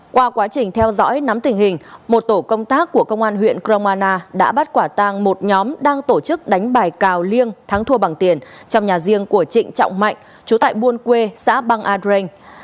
qua quá trình theo dõi nắm tình hình một tổ công tác của công an huyện cromana đã bắt quả tang một nhóm đang tổ chức đánh bài cào liêng thắng thua bằng tiền trong nhà riêng của trịnh trọng mạnh chú tại buôn quê xã băng a dren